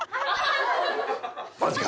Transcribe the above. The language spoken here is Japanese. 「マジか！